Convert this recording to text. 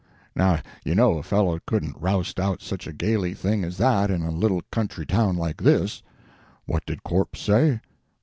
Now you know a fellow couldn't roust out such a gaily thing as that in a little country town like this. What did corpse say?